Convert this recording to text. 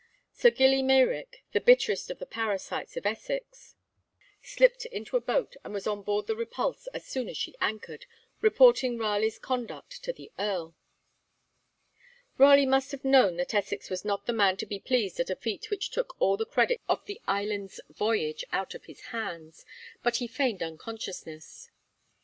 Sir Gilly Meyrick, the bitterest of the parasites of Essex, slipped into a boat and was on board the 'Repulse' as soon as she anchored, reporting Raleigh's conduct to the Earl. Raleigh must have known that Essex was not the man to be pleased at a feat which took all the credit of the Islands Voyage out of his hands; but he feigned unconsciousness.